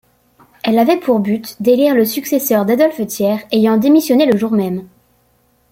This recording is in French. Elle avait pour but d'élire le successeur d'Adolphe Thiers, ayant démissionné le jour-même.